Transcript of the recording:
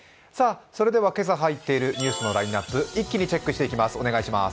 それでは今朝入っているニュースのラインナップ、一気にチェックしていきます。